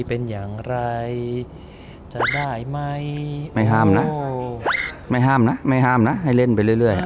เป็นอย่างไรจะได้ไหมไม่ห้ามนะไม่ห้ามนะไม่ห้ามนะให้เล่นไปเรื่อย